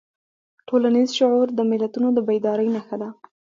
ټولنیز شعور د ملتونو د بیدارۍ نښه ده.